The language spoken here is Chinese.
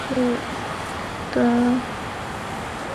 现任荷兰首相。